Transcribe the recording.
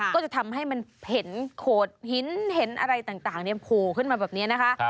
ก็จะทำให้มันเห็นโขดหินเห็นอะไรต่างโผล่ขึ้นมาแบบนี้นะคะ